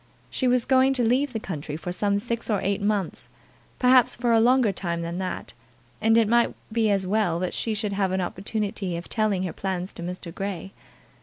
She was going to leave the country for some six or eight months, perhaps for a longer time than that, and it might be as well that she should have an opportunity of telling her plans to Mr. Grey.